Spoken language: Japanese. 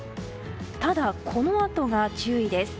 ただ、このあとが注意です。